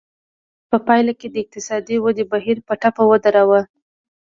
په پایله کې د اقتصادي ودې بهیر په ټپه ودراوه.